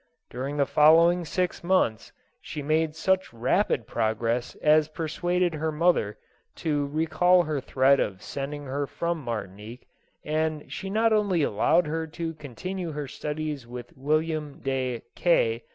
During the following six months, she made such rapid progress as persuaded her mother to recall her threat of sending her from Martinique ; and she not only allowed her to continue her studies with William de K